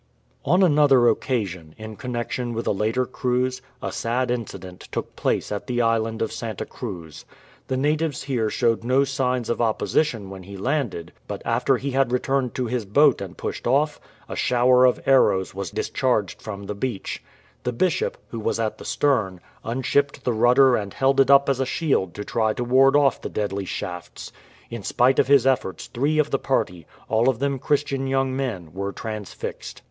On another occasion, in connexion with a later cruise, a sad incident took place at the island of Santa Cruz. The 279 A SHOWER OF ARROWS natives here showed no signs of opposition when he landed, but after he had returned to his boat and pushed off, a shower of an ows was discharged from the beach. The Bishop, who was at the stern, unshipped the rudder and held it up as a shield to try to ward off the deadly shafts. In spite of his efforts three of the party, all of them Chris tian young men, were transfixed.